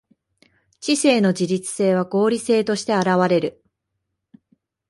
知性の自律性は合理性として現われる。